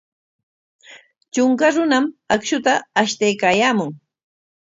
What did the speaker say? Trunka runam akshuta ashtaykaayaamun.